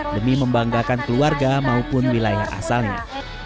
demi membanggakan keluarga maupun wilayah asalnya